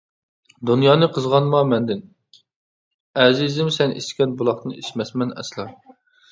دۇنيانى قىزغانما مەندىن، ئەزىزىم، سەن ئىچكەن بۇلاقتىن ئىچمەسمەن ئەسلا.